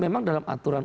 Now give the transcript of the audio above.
memang dalam aturan